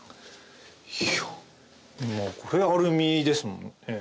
いやこれアルミですもんね。